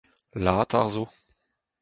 Latar zo.